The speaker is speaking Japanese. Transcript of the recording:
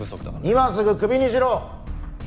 今すぐクビにしろ。